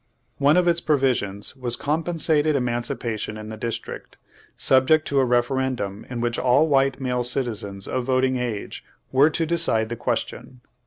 One of its provisions was compensated emancipation in the District, sub ject to a referendum in which all white male citizens of voting age were to decide the question.